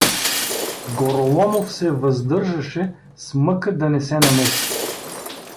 Гороломов се въздържаше с мъка да не се намеси.